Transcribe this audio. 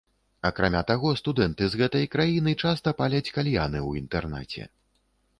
Акрамя таго, студэнты з гэтай краіны часта паляць кальяны ў інтэрнаце.